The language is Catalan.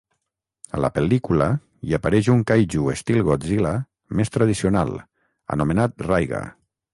A la pel·lícula hi apareix un "kaiju" estil Godzilla més tradicional anomenat Raiga.